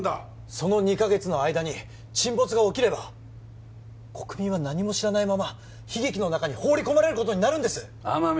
その２カ月の間に沈没が起きれば国民は何も知らないまま悲劇の中に放り込まれることになるんです天海